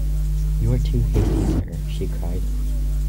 “You are too hasty, sir,” she cried.